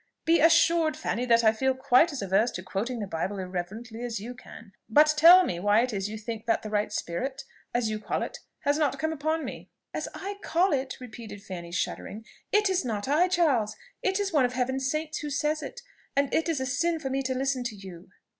"Be assured, Fanny, that I feel quite as averse to quoting the Bible irreverently as you can do. But tell me why it is you think that the right spirit, as you call it, has not come upon me." "As I call it!" repeated Fanny, shuddering, "It is not I, Charles, it is one of Heaven's saints who says it; and it is a sin for me to listen to you."